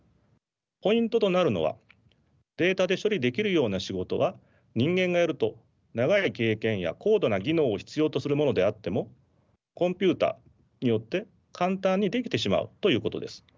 ポイントとなるのはデータで処理できるような仕事は人間がやると長い経験や高度な技能を必要とするものであってもコンピューターによって簡単にできてしまうということです。